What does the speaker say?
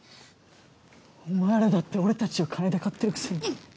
お前らだって俺たちを金で買ってるくせに。